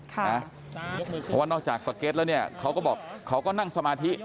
เพราะว่านอกจากสเก็ตแล้วเนี่ยเขาก็บอกเขาก็นั่งสมาธิ